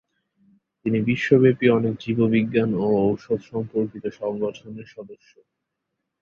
তিনি বিশ্বব্যাপি অনেক জীববিজ্ঞান ও ঔষধ সম্পর্কিত সংগঠনের সদস্য।